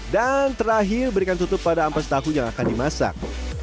dan terakhir berikan tutup pada ampas tahu yang akan dimasak